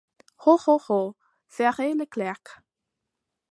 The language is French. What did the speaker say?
Ho ! ho ! ho ! feirent les clercs.